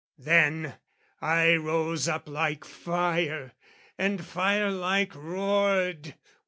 Then I rose up like fire, and fire like roared.